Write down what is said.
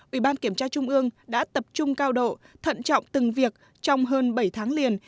ủy ban kiểm tra trung ương đã tập trung cao độ thận trọng từng việc trong hơn bảy tháng liền